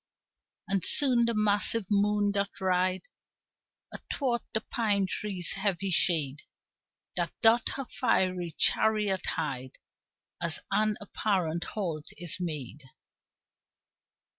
And soon the massive moon doth ride Athwart the pine trees' heavy shade, That doth her fiery chariot hide, As an apparent halt is made.